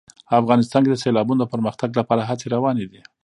افغانستان کې د سیلابونو د پرمختګ لپاره هڅې روانې دي.